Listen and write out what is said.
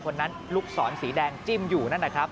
คนนั้นลูกศรสีแดงจิ้มอยู่นั่นนะครับ